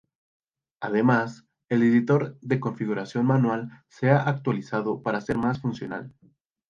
Además, el editor de configuración manual se ha actualizado para ser más funcional.